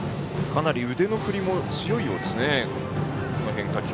かなり腕の振りも強いようですね、変化球。